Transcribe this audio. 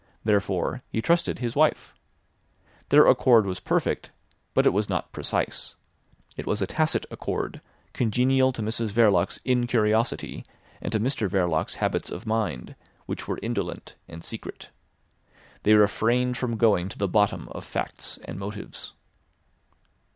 Therefore he trusted his wife. Their accord was perfect, but it was not precise. It was a tacit accord, congenial to Mrs Verloc's incuriosity and to Mr Verloc's habits of mind, which were indolent and secret. They refrained from going to the bottom of facts and motives.